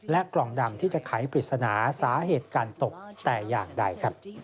กล่องดำที่จะไขปริศนาสาเหตุการตกแต่อย่างใด